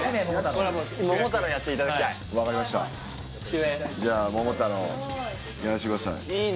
主演じゃあ桃太郎やらしてください